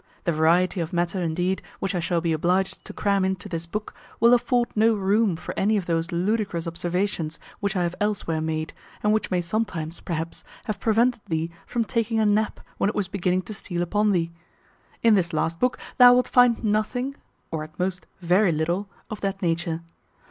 The variety of matter, indeed, which I shall be obliged to cram into this book, will afford no room for any of those ludicrous observations which I have elsewhere made, and which may sometimes, perhaps, have prevented thee from taking a nap when it was beginning to steal upon thee. In this last book thou wilt find nothing (or at most very little) of that nature.